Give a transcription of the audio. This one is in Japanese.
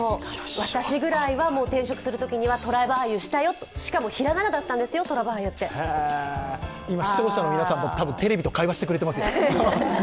私ぐらいは転職した際にはトラバーユしたよと、しかもひらがなだったんですよ、とらばーゆって今、視聴者の皆さんもテレビと会話してくださっていますよ。